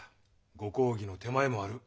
御公儀の手前もある。